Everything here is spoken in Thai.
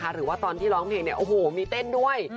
หรือว่าตอนที่ร้องเพลงเนี่ยโอ้โหมีเต้นด้วย